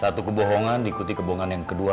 satu kebohongan diikuti kebohongan yang kedua